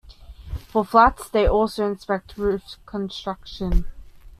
For flats, they also inspect roof construction.